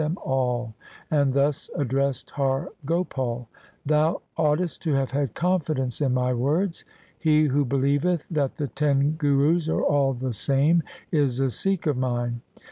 150 THE SIKH RELIGION them all, and thus addressed Har Gopal — 'Thou oughtest to have had confidence in my words. He who believeth that the ten Gurus are all the same is a Sikh of mine.